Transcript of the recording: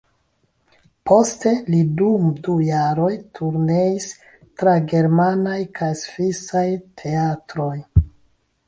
Poste li dum du jaroj turneis tra germanaj kaj svisaj teatroj.